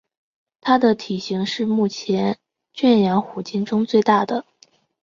它的体型是目前圈养虎鲸中最大的。